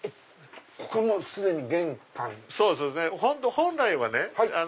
本来はね